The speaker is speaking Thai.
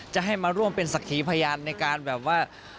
จะให้มาร่วมเป็นสักขีพยานในการแบบว่า